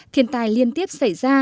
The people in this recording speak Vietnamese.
thiên tai liên tiếp xảy ra